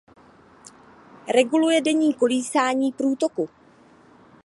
Reguluje denní kolísání průtoku.